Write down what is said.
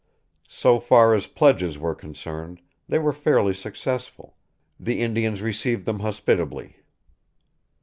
So far as pledges were concerned, they were fairly successful; the Indians received them hospitably.